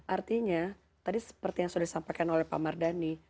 artinya tadi seperti yang sudah disampaikan oleh pak mardhani